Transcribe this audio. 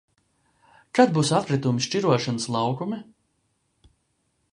Kad būs atkritumi šķirošanas laukumi?